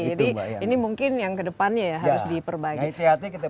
jadi ini mungkin yang kedepannya ya harus diperbaiki